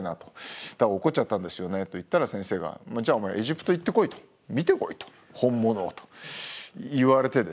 そしたら落っこっちゃったんですよね」と言ったら先生が「じゃあお前エジプト行ってこい」と「見てこい」と「本物を」と言われてですね。